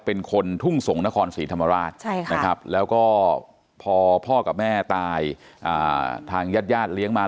เป็นคนทุ่งส่งนครศรีธรรมราชนะครับแล้วก็พอพ่อกับแม่ตายทางญาติญาติเลี้ยงมา